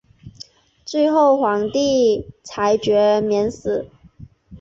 最后皇帝裁决免死。